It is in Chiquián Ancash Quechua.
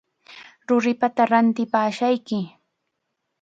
Ruripata ratipashqayki.